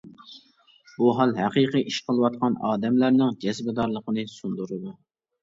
بۇ ھال ھەقىقىي ئىش قىلىۋاتقان ئادەملەرنىڭ جەزبىدارلىقىنى سۇندۇرىدۇ.